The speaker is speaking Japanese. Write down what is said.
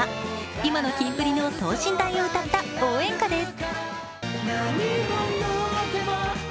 今のキンプリの等身大を歌った応援歌です。